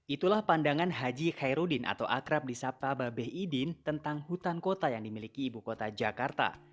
itulah pandangan haji khairudin atau akrab di sapa babeh idin tentang hutan kota yang dimiliki ibu kota jakarta